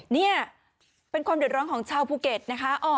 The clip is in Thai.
นี่เป็นความเดือดร้อนของชาวภูเก็ตนะคะ